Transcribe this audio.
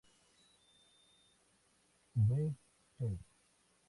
V; Ses.